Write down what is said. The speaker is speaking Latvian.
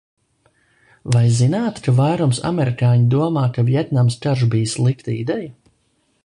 Vai zināt, ka vairums amerikāņu domā, ka Vjetnamas karš bija slikta ideja?